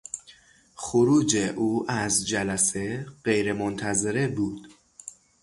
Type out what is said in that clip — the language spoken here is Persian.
خروج او از جلسه غیرمنتظره بود.